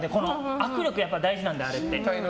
握力、大事なのであれって。